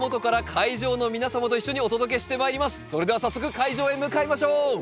それでは早速会場へ向かいましょう。